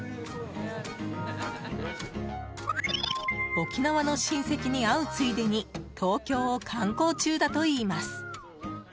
沖縄の親戚に会うついでに東京を観光中だといいます。